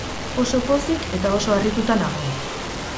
Oso pozik eta oso harrituta nago.